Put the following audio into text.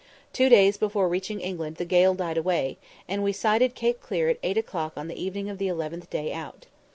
Two days before reaching England the gale died away, and we sighted Cape Clear at eight o'clock on the evening of the eleventh day out.